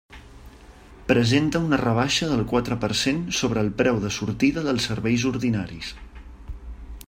Presenta una rebaixa del quatre per cent sobre el preu de sortida dels serveis ordinaris.